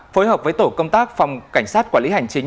phối hợp với tổ công tác phòng cảnh sát quản lý hành chính